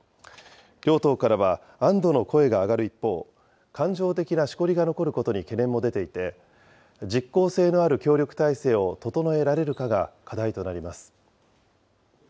両党からは安どの声が上がる一方、感情的なしこりが残ることに懸念も出ていて、実効性のある協力態勢を整えられるかが課題となります。